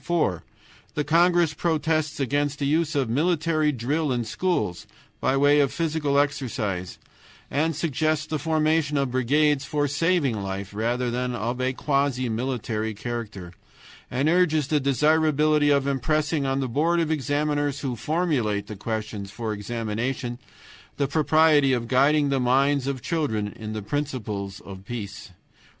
"4. The congress protests against the use of military drill in schools by way of physical exercise, and suggests the formation of brigades for saving life rather than of a quasi military character; and urges the desirability of impressing on the Board of Examiners who formulate the questions for examination the propriety of guiding the minds of children in the principles of peace.